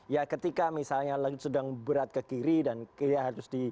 ya ketika misalnya sedang berat ke kiri dan harus di